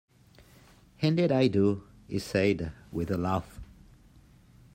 "Indeed I do," he said, with a laugh.